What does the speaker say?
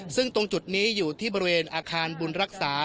ซึ่งตรงจุดนี้อยู่ที่บริเวณอาคารบุญรักษา